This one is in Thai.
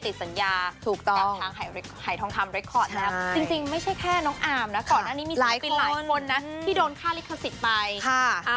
เพราะว่าตัวเธอเองเนี้ยไม่ได้ติดสัญญา